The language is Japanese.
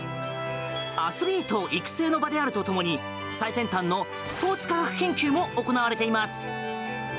アスリート育成の場であるとともに最先端のスポーツ科学研究も行われています。